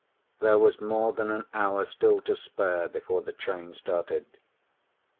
There was more than an hour still to spare before the train started.